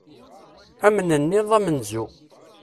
Amnenniḍ amenzu.